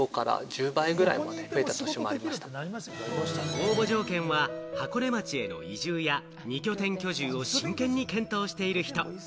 応募条件は、箱根町への移住や二拠点居住を真剣に検討している人。